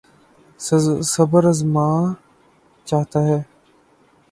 صبر آزما چاہتا ہوں